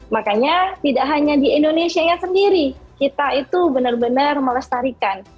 makanya tidak hanya di indonesia sendiri kita itu benar benar melestarikan